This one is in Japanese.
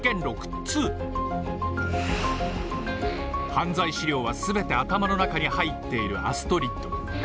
犯罪資料はすべて頭の中に入っているアストリッド。